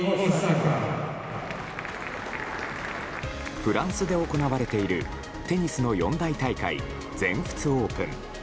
フランスで行われているテニスの四大大会、全仏オープン。